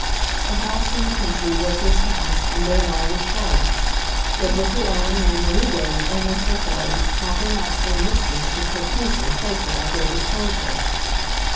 The house in the country was his house, and thereby was Charlotte's; it was her own and Amerigo's only so far as its proper master and mistress should profusely place it at their disposal.